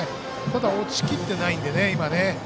ただ、落ちきってないのでね。